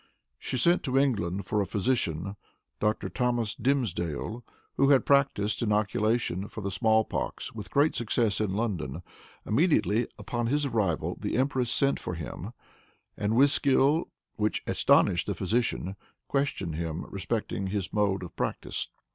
She sent to England for a physician, Dr. Thomas Dimsdale, who had practiced inoculation for the small pox with great success in London. Immediately upon his arrival the empress sent for him, and with skill which astonished the physician, questioned him respecting his mode of practice.